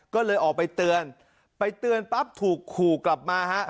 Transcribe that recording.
ก็เลยออกไปเตือนไปเตือนปั๊บถูกขู่กลับมาฮะ